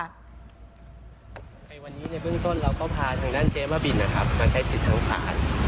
ในวันนี้ในเบื้องต้นเราก็พาทางด้านเจ๊บ้าบินมาใช้สิทธิ์ทางศาล